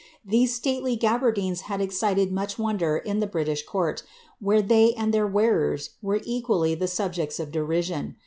These stately gaberdines had excited much wonder in the British court, where they and their wearers were equally the subjects of derision.